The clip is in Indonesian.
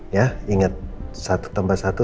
ya ingat satu tambah satu